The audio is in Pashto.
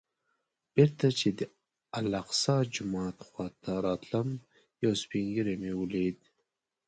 بېرته چې د الاقصی جومات خوا ته راتلم یو سپین ږیری مې ولید.